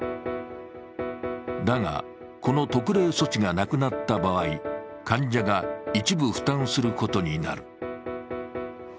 だが、この特例措置がなくなった場合、患者が一部負担することになる。